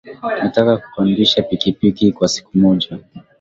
Nataka kukodishwa pikipiki kwa siku moja.